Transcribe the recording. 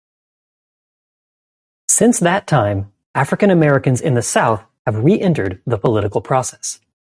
Since that time, African Americans in the South have re-entered the political process.